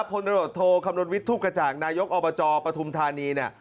ผลโดรสโทคำนวณวิทย์ทุกข์กระจ่างนายกอบจปฐุมธานี